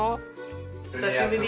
久しぶりに。